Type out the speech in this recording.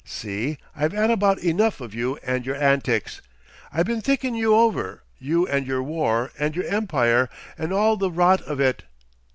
See? I've 'ad about enough of you and your antics. I been thinking you over, you and your war and your Empire and all the rot of it.